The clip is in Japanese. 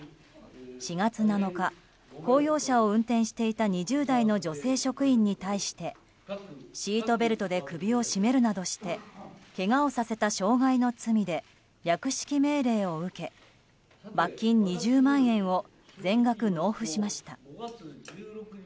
４月７日、公用車を運転していた２０代の女性職員に対してシートベルトで首を絞めるなどしてけがをさせた傷害の罪で略式命令を受け、罰金２０万円を全額納付しました。